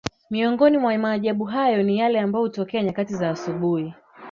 Miongoni mwa maajabu hayo ni yale ambayo hutokea nyakati za asubuhi